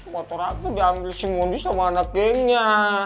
motor aku diambil si mondi sama anak gengnya